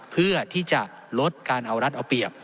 เพื่อที่จะลดการเอารัฐเอาเปรียบ